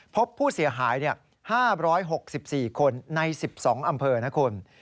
พบผู้เสียหาย๕๖๔คนใน๑๒อำเภอนะคุณ